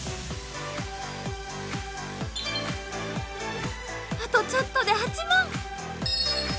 あとちょっとで８万。